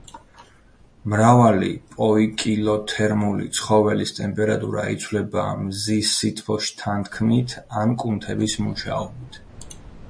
მრავალი პოიკილოთერმული ცხოველის ტემპერატურა იცვლება მზის სითბოს შთანთქმით ან კუნთების მუშაობით.